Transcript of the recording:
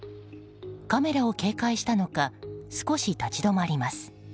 カメラを警戒したのか少し立ち止まります。